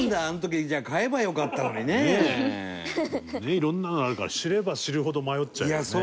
いろんなのあるから知れば知るほど迷っちゃうよね。